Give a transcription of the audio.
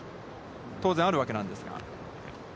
当然あるわけなんですが。